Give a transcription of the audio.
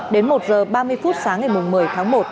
đến một h ba mươi phút sáng ngày một mươi tháng một